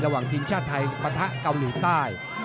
ระหว่างทีมชาติไทยปะทะเกาหลีใต้